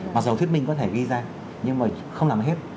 mặc dầu thuyết minh có thể ghi ra nhưng mà không làm hết